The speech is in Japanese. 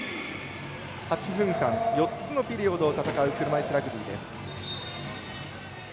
８分間、４つのピリオドを戦う車いすラグビーです。